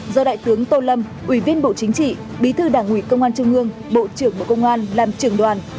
do đại tướng tô lâm ủy viên bộ chính trị bí thư đảng ủy công an trung ương bộ trưởng bộ công an làm trưởng đoàn